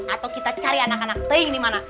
atau kita cari anak anak teing dimana